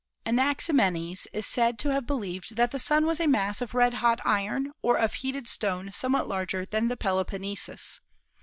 Anaximenes is said to have believed that the Sun was a mass of red hot iron or of heated stone somewhat larger than the Peloponnesus.